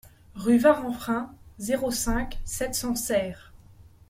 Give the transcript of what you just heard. Rue Varanfrain, zéro cinq, sept cents Serres